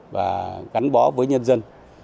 và gắn bó với nhân dân